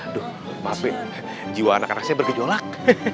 aduh mafi jiwa anak anak saya bergejolak